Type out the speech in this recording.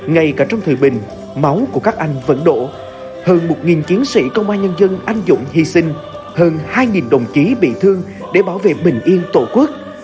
ngay cả trong thời bình máu của các anh vẫn đổ hơn một chiến sĩ công an nhân dân anh dũng hy sinh hơn hai đồng chí bị thương để bảo vệ bình yên tổ quốc